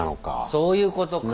そういうことか。